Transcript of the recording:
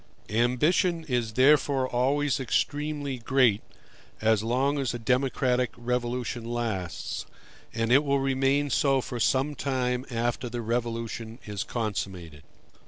Ambition is therefore always extremely great as long as a democratic revolution lasts, and it will remain so for some time after the revolution is consummated.